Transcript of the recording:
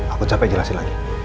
aku capek jelasin lagi